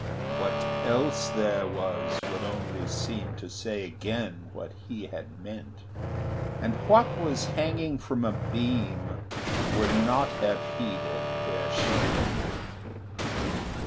What else there was would only seem To say again what he had meant; And what was hanging from a beam Would not have heeded where she went.